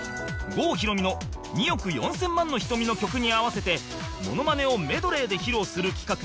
郷ひろみの『２億４千万の瞳』の曲に合わせてモノマネをメドレーで披露する企画